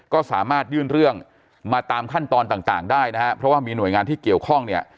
ก็สามารถยื่นเรื่องมาตามขั้นตอนต่างได้นะฮะเพราะว่ามีหน่วยงานที่เกี่ยวข้องเนี่ย